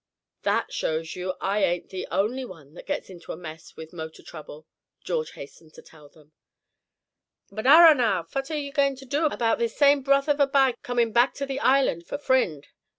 "That shows you that I ain't the only one that gets into a mess with motor trouble," George hastened to tell them. "But arrah, now, phat arre we goin' to do about this same broth of a bye comin' back till the island for frind?"